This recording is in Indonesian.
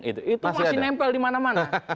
itu masih nempel dimana mana